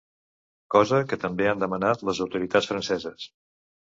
Cosa que també han demanat les autoritats franceses.